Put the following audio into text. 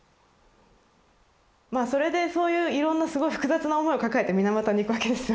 それでそういういろんなすごい複雑な思いを抱えて水俣に行くわけですよ。